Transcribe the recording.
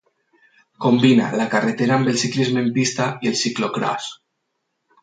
Combina la carretera amb el ciclisme en pista i el ciclocròs.